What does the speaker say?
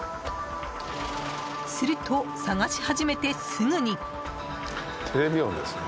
すると、探し始めてすぐに。